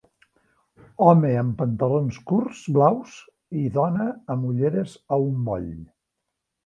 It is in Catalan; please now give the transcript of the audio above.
Home amb pantalons curts blaus i dona amb ulleres a un moll.